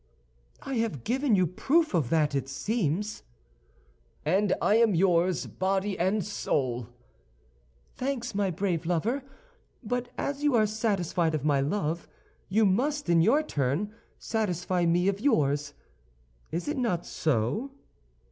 "I have given you proof of that, it seems to me." "And I am yours, body and soul!" "Thanks, my brave lover; but as you are satisfied of my love, you must, in your turn, satisfy me of yours. Is it not so?"